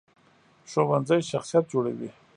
ښوونځی شخصیت جوړوي